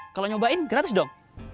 kalau nyobain gratis dong